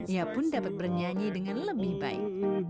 ia pun dapat bernyanyi dengan lebih baik